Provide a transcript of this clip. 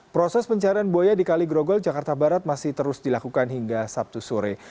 proses pencarian buaya di kaligrogol jakarta barat masih terus dilakukan hingga sabtu sore